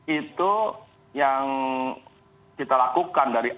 itu yang kita lakukan dari